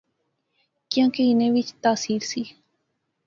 کیاں کہ انیں وچ تاثیر سی